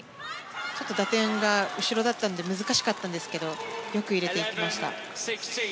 打点が後ろだったので難しかったんですけどよく入れていきました。